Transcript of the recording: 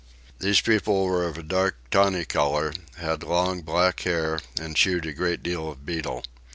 These people were of a dark tawny colour, had long black hair, and chewed a great deal of betel.